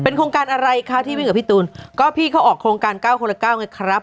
โครงการอะไรคะที่วิ่งกับพี่ตูนก็พี่เขาออกโครงการเก้าคนละเก้าไงครับ